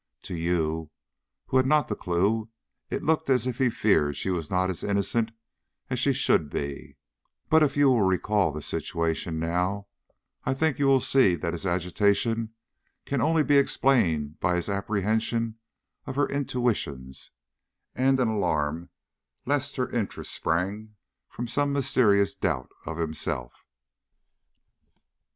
To you, who had not the clue, it looked as if he feared she was not as innocent as she should be; but, if you will recall the situation now, I think you will see that his agitation can only be explained by his apprehension of her intuitions and an alarm lest her interest sprang from some mysterious doubt of himself."